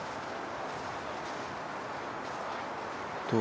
どう？